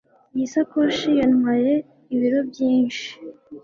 Iyi sakoshi yantwaye ibiro byinshi